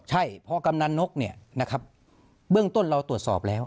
ใช่พอกำนันนกเนี่ยนะครับเบื้องต้นเราตรวจสอบแล้ว